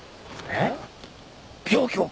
えっ？